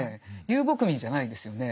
遊牧民じゃないんですよね。